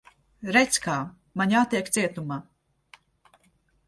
Redz, kā. Man jātiek cietumā.